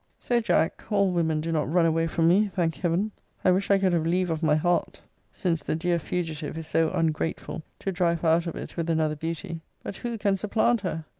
So, Jack, all women do not run away from me, thank Heaven! I wish I could have leave of my heart, since the dear fugitive is so ungrateful, to drive her out of it with another beauty. But who can supplant her?